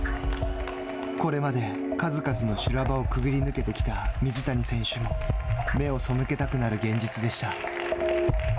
これまで数々の修羅場をくぐり抜けてきた水谷選手も目を背けたくなる現実でした。